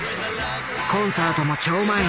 コンサートも超満員。